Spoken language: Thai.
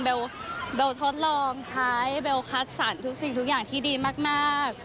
เบลทดลองใช้เบลคัดสรรทุกสิ่งทุกอย่างที่ดีมาก